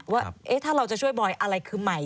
ว่าถ้าเราจะช่วยบอยอะไรคือใหม่